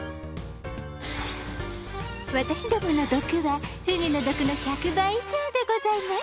私どもの毒はフグの毒の１００倍以上でございます。